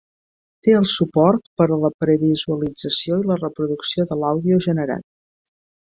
Té el suport per a la previsualització i la reproducció de l'àudio generat.